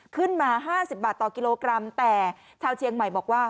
ขึ้นมา๕๐บาทต่อกิโลกรัมแต่ชาวเชียงใหม่บอกว่า